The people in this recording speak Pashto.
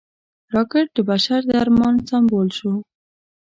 راکټ د بشر د ارمان سمبول شو